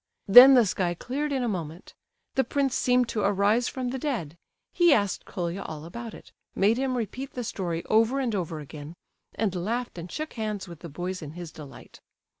Then the sky cleared in a moment. The prince seemed to arise from the dead; he asked Colia all about it, made him repeat the story over and over again, and laughed and shook hands with the boys in his delight.